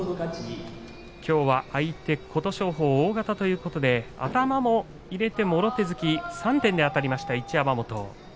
きょうは相手、琴勝峰大型ということで頭も入れてもろ手突き３点であたりました一山本。